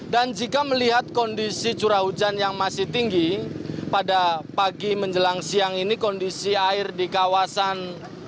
dan jika melihat kondisi curah hujan yang masih tinggi pada pagi menjelang siang ini kondisi air di kawasan